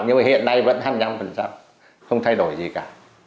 nhưng mà hiện nay vẫn hai mươi năm không thay đổi gì cả